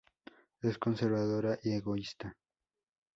Es conservadora y egoísta.